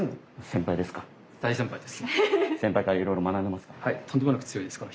先輩からいろいろ学んでますか？